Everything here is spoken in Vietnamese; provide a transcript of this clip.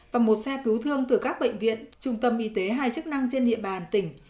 và một xe cứu thương từ các bệnh viện trung tâm y tế hai chức năng trên địa bàn tỉnh